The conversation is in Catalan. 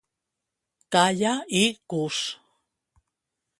Talla i cus.